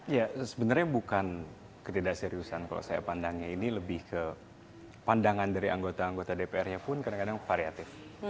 ya sebenernya bukan ketidak seriusan kalau saya pandangnya ini lebih ke pandangan dari anggota anggota dprnya pun kadang kadang variatif